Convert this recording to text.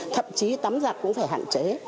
thậm chí tắm giặt cũng phải hạn chế